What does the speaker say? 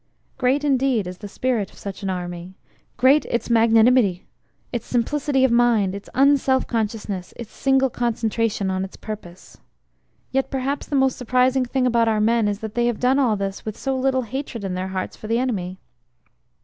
Great indeed is the spirit of such an army, great its magnanimity, its simplicity of mind, its unself consciousness, its single concentration on its purpose. Yet perhaps the most surprising thing about our men is that they have done all this with so little hatred in their hearts for the enemy.